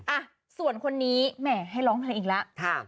อ่ะส่วนคนนี้แหมให้ร้องเพลงอีกแล้ว